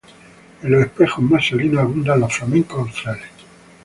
En los espejos más salinos abundan los flamencos australes.